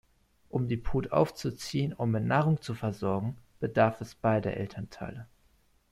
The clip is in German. Um die Brut aufzuziehen und mit Nahrung zu versorgen, bedarf es beider Elternteile.